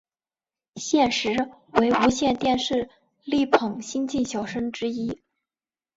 现时为无线电视力捧新晋小生之一。